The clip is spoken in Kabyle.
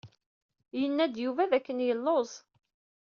Yenna-d Yuba d akken yelluẓ.